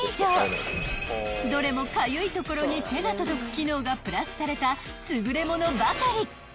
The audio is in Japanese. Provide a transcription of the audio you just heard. ［どれもかゆいところに手が届く機能がプラスされた優れものばかり］